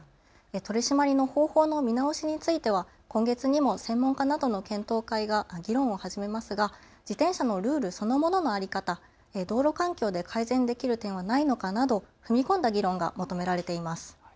取締りの方法の見直しについては今月にも専門家などの検討会が議論を始めますが自転車のルールそのものの在り方、道路環境で改善できる点はないのかなど踏み込んだ議論が求められています。